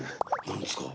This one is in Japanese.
何ですか？